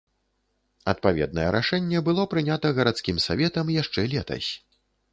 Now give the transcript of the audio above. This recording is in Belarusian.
Адпаведнае рашэнне было прынята гарадскім саветам яшчэ летась.